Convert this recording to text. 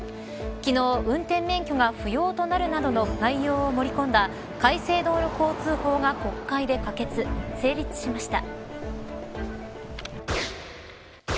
昨日、運転免許が不要となるなどの内容を盛り込んだ改正道路交通法が国会で可決成立しました。